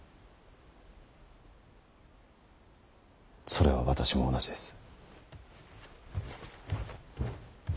それは私も同じです。